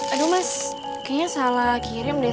aduh mas kayaknya salah kirim deh